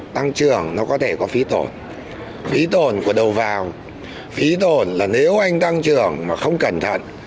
tăng trưởng có thể có phí tổn phí tổn của đầu vào phí tổn là nếu anh tăng trưởng mà không cẩn thận